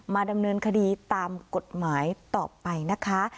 ดำเนินคดีตามกฎหมายต่อไปนะคะ